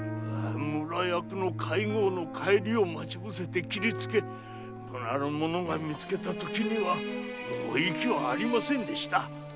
村役の会合の帰りを待ち伏せて斬りつけ村の者が見つけたときにはもう息はありませんでした。